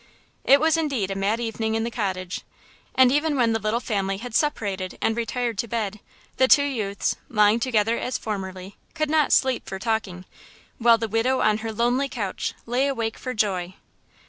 It was indeed a mad evening in the cottage. And even when the little family had separated and retired to bed, the two youths, lying together as formerly, could not sleep for talking, while the widow on her lonely couch lay awake for joy.